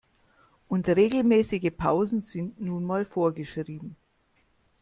Und regelmäßige Pausen sind nun mal vorgeschrieben.